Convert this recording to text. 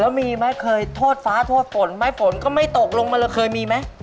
และมีไหมเคยทศฝทศฝ่นไม่ฝนก็ไม่ตกลงมาคือเคยมีไหม